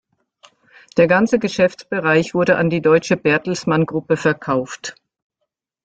Der ganze Geschäftsbereich wurde an die deutsche Bertelsmann-Gruppe verkauft.